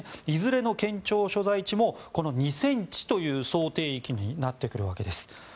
いずれの県庁所在地も２ｃｍという想定域になってくるわけです。